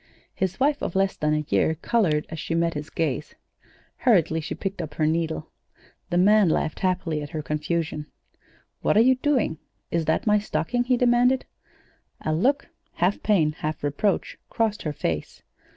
His wife of less than a year colored as she met his gaze. Hurriedly she picked up her needle. The man laughed happily at her confusion. "What are you doing? Is that my stocking?" he demanded. A look, half pain, half reproach, crossed her face.